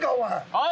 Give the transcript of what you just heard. はい！